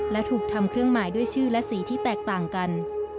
และถูกทำเครื่องหมายด้วยชื่อและสีที่แตกต่างกัน